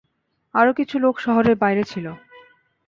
আরো কিছু লোক শহরের বাইরে ছিল।